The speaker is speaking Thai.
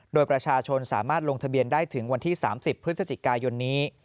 โดยประชาชนสามารถลงทะเบียนได้ถึงวันที่๓๐พฤศจิกายนนี้